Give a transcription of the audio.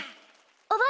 おばあ